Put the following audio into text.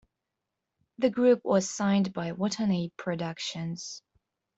The group was signed by Watanabe Productions.